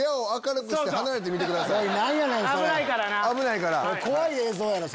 危ないからな。